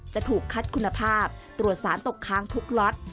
จะถูกคัดคุณภาพตรวจสารตกค้างทุกล็อต